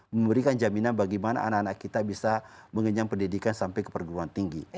memberikan jaminan bagaimana anak anak kita bisa mengenyam pendidikan sampai ke perguruan tinggi